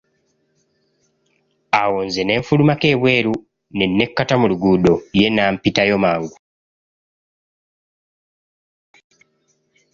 Awo nze ne nfulumako ebweru ne nekkata mu luguudo, ye n'ampitayo mangu.